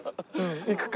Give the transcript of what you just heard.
行くか。